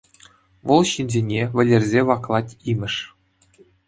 Вӑл ҫынсене вӗлерсе ваклать имӗш.